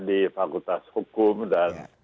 di fakultas hukum dan